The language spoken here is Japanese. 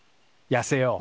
やせよう。